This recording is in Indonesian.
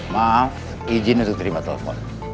maaf izin untuk terima telepon